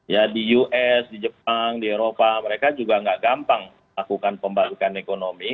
ya di us di jepang di eropa mereka juga tidak gampang melakukan pembalukan ekonomi